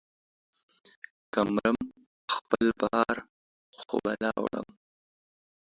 که مرم ، خپل بار خو به لا وړم.